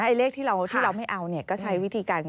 เลขที่เราไม่เอาก็ใช้วิธีการ